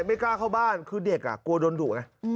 ไม่กล้าเข้าบ้านคือเด็กกลัวโดนดุไง